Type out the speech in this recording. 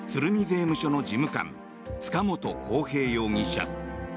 税務署の事務官塚本晃平容疑者。